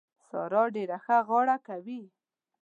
سارا ډېره ښه غاړه کوي.